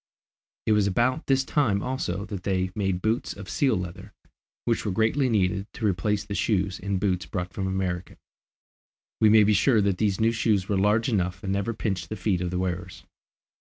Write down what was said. It was about this time also that they made boots of seal leather, which were greatly needed to replace the shoes and boots brought from America. We may be sure that these new shoes were large enough and never pinched the feet of the wearers.